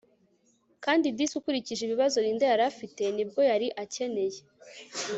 kandi disi ukurikije ibibazo Linda yari afite nibwo yari akeneye